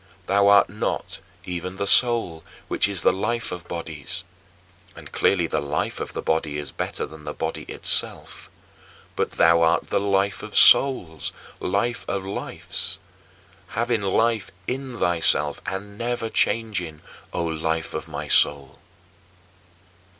Thou art not even the soul, which is the life of bodies; and, clearly, the life of the body is better than the body itself. But thou art the life of souls, life of lives, having life in thyself, and never changing, O Life of my soul.